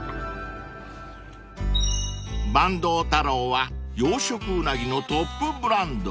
［坂東太郎は養殖ウナギのトップブランド］